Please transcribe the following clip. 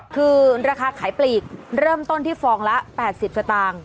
คือราคาขายปลีกเริ่มต้นที่ฟองละ๘๐สตางค์